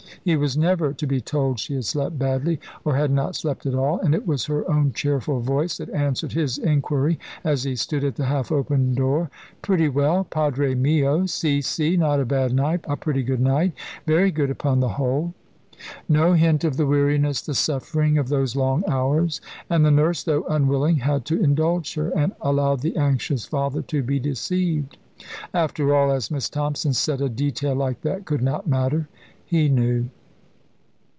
He was never to be told she had slept badly or had not slept at all and it was her own cheerful voice that answered his inquiry as he stood at the half open door: "Pretty well, Padre mio, si, si; not a bad night a pretty good night very good, upon the whole." No hint of the weariness, the suffering, of those long hours and the nurse, though unwilling, had to indulge her, and allow the anxious father to be deceived. After all, as Miss Thompson said, a detail like that could not matter. He knew.